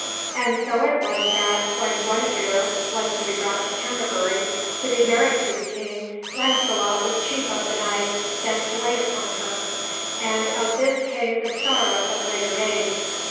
And so it was that, when Guenevere was to be brought to Canterbury, to be married to the King, Launcelot was chief of the knights sent to wait upon her, and of this came the sorrow of later days.